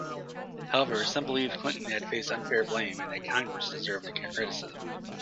However, some believed Clinton had faced unfair blame, and that Congress deserved the criticism.